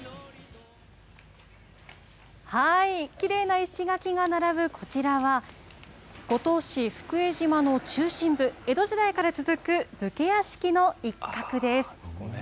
きれいな石垣が並ぶこちらは、五島市福江島の中心部、江戸時代から続く武家屋敷の一角です。